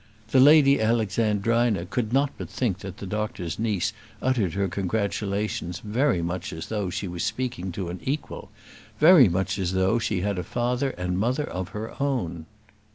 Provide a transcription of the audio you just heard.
The Lady Alexandrina could not but think that the doctor's niece uttered her congratulations very much as though she were speaking to an equal; very much as though she had a father and mother of her own.